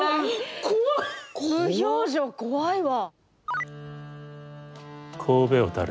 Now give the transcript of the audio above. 無表情怖いわ。